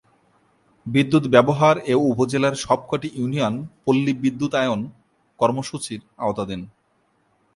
বিদ্যুৎ ব্যবহার এ উপজেলার সবক’টি ইউনিয়ন পল্লিলবিদ্যুতায়ন কর্মসূচির আওতাধীন।